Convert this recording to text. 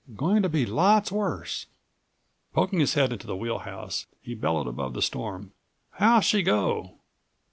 "Going to be lots worse." Poking his head into the wheel house, he bellowed above the storm: "How's she go?"